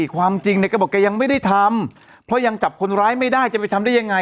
ความจริงเนี่ยก็บอกแกยังไม่ได้ทำเพราะยังจับคนร้ายไม่ได้จะไปทำได้ยังไง